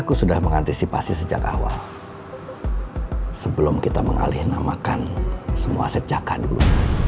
aku sudah mengantisipasi sejak awal sebelum kita mengalihnamakan semua secaka dulu